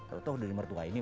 tau gak dari mertua ini